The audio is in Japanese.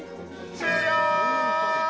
終了。